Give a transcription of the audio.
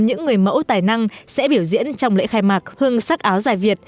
những người mẫu tài năng sẽ biểu diễn trong lễ khai mạc hương sắc áo dài việt